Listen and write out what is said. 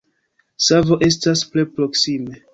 Savo estas tre proksime.